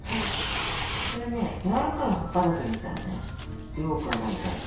それねやわらかい葉っぱだけにしたらねよく洗いたいと。